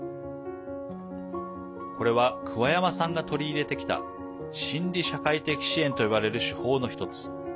これは桑山さんが取り入れてきた心理社会的支援と呼ばれる手法の一つ。